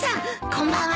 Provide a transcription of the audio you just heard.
こんばんは。